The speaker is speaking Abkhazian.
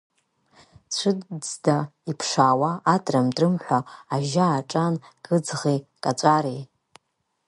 Цәыӡда иԥшаауа атрым-трымҳәа, ажьа аҿан кыӡӷи каҵәареи.